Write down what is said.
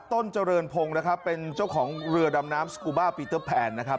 ต้นเจริญพงศ์นะครับเป็นเจ้าของเรือดำน้ำสกูบ้าปีเตอร์แพนนะครับ